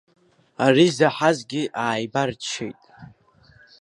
Ари заҳазгьы ааибарччеит.